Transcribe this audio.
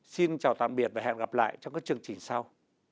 xin chào tạm biệt và hẹn gặp lại trong các chương trình sau